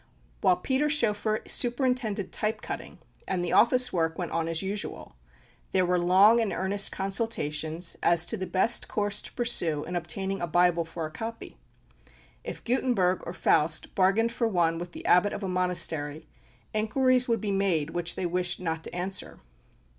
While Peter Schoeffer superintended type cutting, and the office work went on as usual, there were long and earnest consultations as to the best course to pursue in obtaining a Bible for a copy. If Gutenberg or Faust bargained for one with the Abbot of a monastery, inquiries would be made which they wished not to answer.